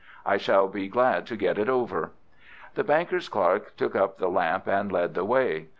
I shall be glad to get it over." The banker's clerk took up the lamp and led the way.